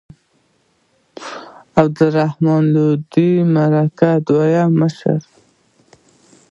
عبدالرحمن لودین د مرکه د پښتو دویم مشر و.